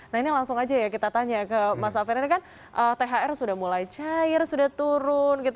nah ini langsung aja ya kita tanya ke mas safir ini kan thr sudah mulai cair sudah turun